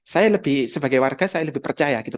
saya lebih sebagai warga saya lebih percaya gitu